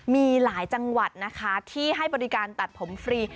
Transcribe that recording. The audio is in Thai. มีหลายจังหวัดนะคะที่ให้บริการตัดผมฟรี